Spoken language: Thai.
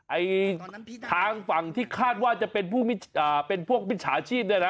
ไอ้ทางฝั่งที่คาดว่าจะเป็นพวกมิจฉาชีพเนี่ยนะ